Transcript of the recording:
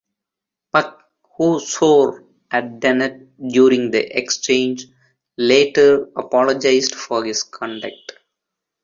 Pugh, who swore at Dennett during the exchange, later apologised for his conduct.